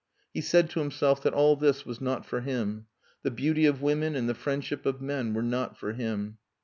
He said to himself that all this was not for him; the beauty of women and the friendship of men were not for him.